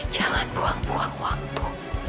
jangan buang buang waktu